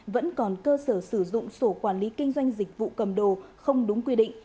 vẫn còn cơ sở sử dụng sổ quản lý kinh doanh dịch vụ cầm đồ không đúng quy định